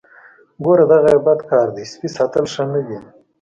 ګوره دغه یې بد کار دی سپی ساتل ښه نه دي.